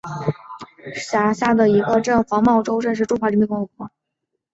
黄茅洲镇是中华人民共和国湖南省沅江市下辖的一个镇。